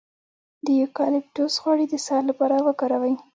د یوکالیپټوس غوړي د ساه لپاره وکاروئ